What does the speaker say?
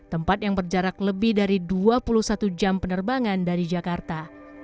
tempat yang berjarak lebih dari dua puluh satu jam penerbangan dari jakarta